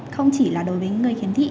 không chỉ là đối với người kiếm thị